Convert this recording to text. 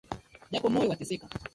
Japo moyo wateseka